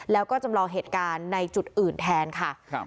แล้วก็จำลองเหตุการณ์ในจุดอื่นแทนค่ะครับ